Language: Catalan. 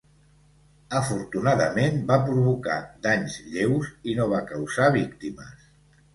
Afortunadament, va provocar danys lleus i no va causar víctimes.